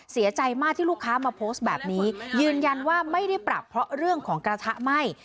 เสียใจมากที่ลูกค้ามาโพสต์แบบนี้ยืนยันว่าไม่ได้ปรับเพราะเรื่องของกระทะไหม้